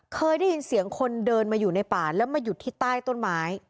เคยได้ยินเสียงคนเดินมาอยู่ในป่าแล้วมาหยุดที่ใต้ต้นไม้